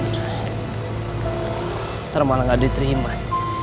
sebelum ku ketemu bu district